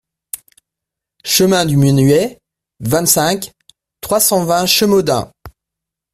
Chemin du Menuey, vingt-cinq, trois cent vingt Chemaudin